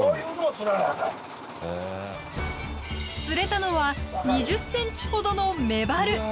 釣れたのは２０センチほどのメバル。